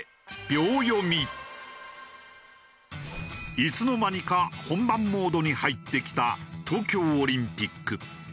いつの間にか本番モードに入ってきた東京オリンピック。